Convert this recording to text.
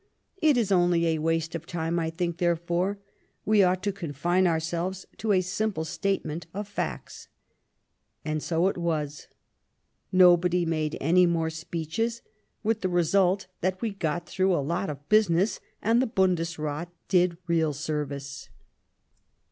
It is only a waste of time ; I think, there fore, we ought to confine ourselves to a simple state ment of facts,' And so it was ; nobody made any more speeches, with the result that we got through a lot of business and the Bundesrath did real service."